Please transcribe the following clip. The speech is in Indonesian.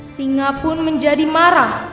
singa pun menjadi marah